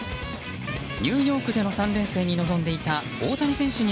ニューヨークでの３連戦に臨んでいた大谷選手に